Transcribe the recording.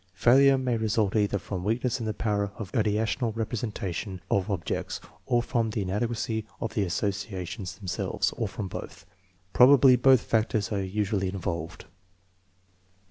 Failure may result either from weakness in the power of ideational representation of ob jects, or from the inadequacy of the associations themselves, or from both. Probably both factors are usually involved.